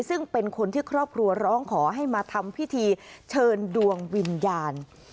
ซึ่งเป็นคนที่ครอบครัวร้องขอให้มาทำพิธีเชิญดวงวิญญาณ